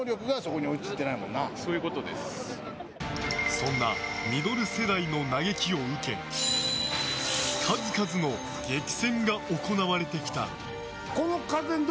そんなミドル世代の嘆きを受け数々の激戦が行われてきた。